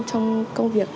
trong công việc